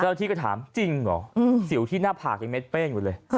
ที่ก็ถามจริงเหรอสิวที่หน้าผากยังเม็ดเป้งอยู่เลย